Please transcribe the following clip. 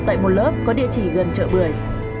tại một lớp có địa chỉ gần chợ bưởi